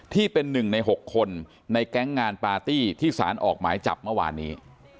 ที่เป็น๑ใน๖คนในแก๊งงานปาร์ตี้ที่สารออกหมายจับเมื่อวานนี้